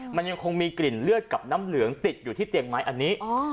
มันยังคงมีกลิ่นเลือดกับน้ำเหลืองติดอยู่ที่เตียงไม้อันนี้